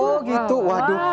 oh gitu waduh